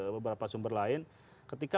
beberapa sumber lain ketika